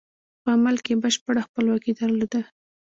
په عمل کې یې بشپړه خپلواکي درلوده.